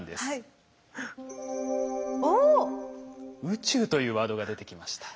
「宇宙」というワードが出てきました。